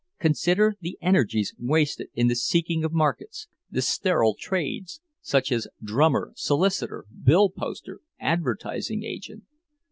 Consider the energies wasted in the seeking of markets, the sterile trades, such as drummer, solicitor, bill poster, advertising agent.